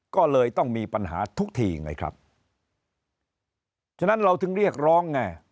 ก็เลยต้องมีปัญหาทุกทีไงครับฉะนั้นเราถึงเรียกร้องไง